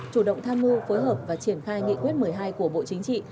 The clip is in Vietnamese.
chủ động tham mưu phối hợp và triển khai nghị quyết một mươi hai của bộ chính trị